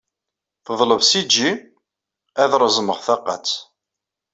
Teṭleb syji ad reẓmeɣ taqqet.